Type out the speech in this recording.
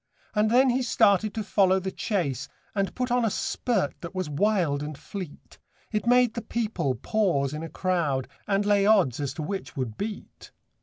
And then he started to follow the chase, And put on a spurt that was wild and fleet, It made the people pause in a crowd, And lay odds as to which would beat.